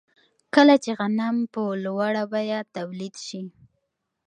کله چې غنم په لوړه بیه تولید شي